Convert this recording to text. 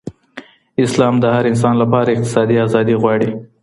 اسلام د هر انسان لپاره اقتصادي ازادي غواړي.